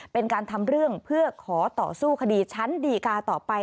เป็นการทำเรื่องเพื่อขอต่อสู้คดีชั้นดีกาต่อไป